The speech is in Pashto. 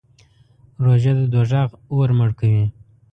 روژه د دوزخ اور مړ کوي.